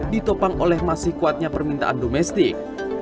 ditopang oleh masih kuatnya permintaan domestik